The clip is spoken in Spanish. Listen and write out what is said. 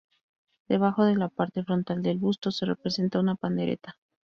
Debajo de la parte frontal del busto se representa una pandereta.